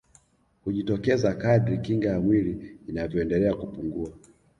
Hujitokeza kadri kinga ya mwili inavyoendelea kupungua